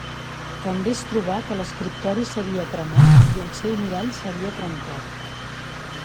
També es trobà que l'escriptori s'havia cremat i el seu mirall s'havia trencat.